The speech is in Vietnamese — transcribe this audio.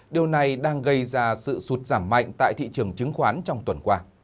điều này đang gây ra sự sụt giảm mạnh tại thị trường chứng khoán trong tuần qua